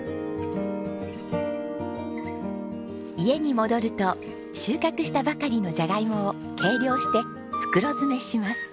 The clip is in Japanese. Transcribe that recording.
家に戻ると収穫したばかりのジャガイモを計量して袋詰めします。